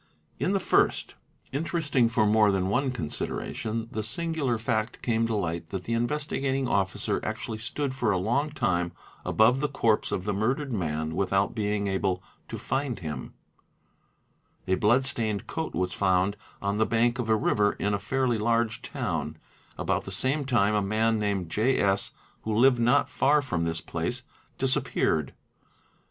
In the first, interesting for more than one consideration, the singabil fact came to light that the Investigating Officer actually stood for a long time above the corpse of the murdered man without being able to find him, A blood stained coat was found on the bank of a river in a fairly large town: about the same time a man named J. S. who lived not far from this place disappeared.